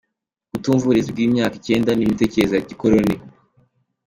Kutumva uburezi bw’imyaka icyenda ni imitekerereze ya gikoroni